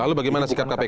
lalu bagaimana sikap kpk